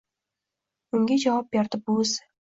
Unga javob berdi buvisi.